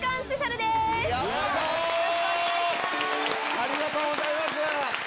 ありがとうございます！